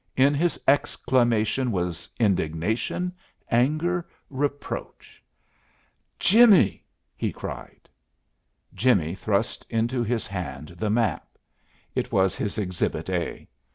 In his exclamation was indignation, anger, reproach. "Jimmie!" he cried. Jimmie thrust into his hand the map. It was his "Exhibit A."